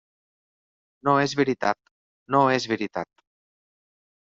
No és veritat –no és veritat.